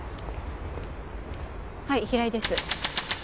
はい平井です。